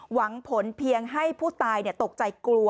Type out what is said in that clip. หวังผลเพียงให้ผู้ตายตกใจกลัว